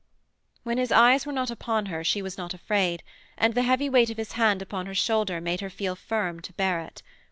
When his eyes were not upon her she was not afraid, and the heavy weight of his hand upon her shoulder made her feel firm to bear it.